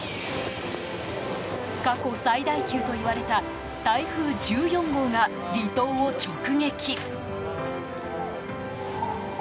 過去最大級といわれた台風１４号が離島を直撃。